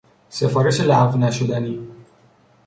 سفارش لغو نشدنی